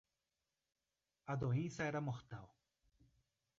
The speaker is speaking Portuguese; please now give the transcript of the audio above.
A doença era mortal.